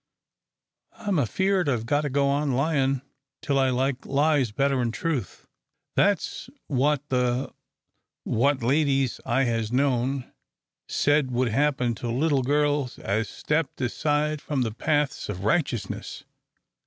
I'm afeared I've got to go on lyin' till I like lies better'n truth. That's what the what ladies I has known said would happen to little girls as stepped aside from the paths of righteousness."